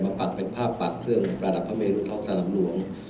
มาปรับเป็นภาพปรับเรื่องประดับพระเมฆทองศาลหลังหลวง